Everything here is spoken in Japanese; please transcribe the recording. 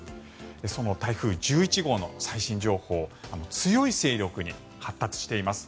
その台風１１号の最新情報強い勢力に発達しています。